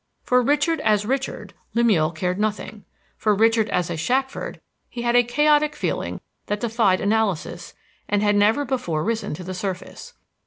For Richard as Richard Lemuel cared nothing; for Richard as a Shackford he had a chaotic feeling that defied analysis and had never before risen to the surface.